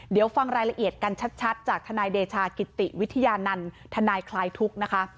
เดี๋ยวฟังรายละเอียดกันชัดจากทนายเดชากิติวิทยานันต์ทนายคลายทุกข์นะคะ